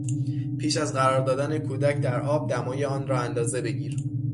پیش از قرار دادن کودک در آب دمای آن را اندازه بگیر.